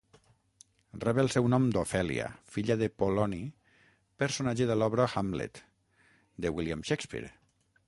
Rep el seu nom d'Ofèlia, filla de Poloni personatge de l'obra Hamlet, de William Shakespeare.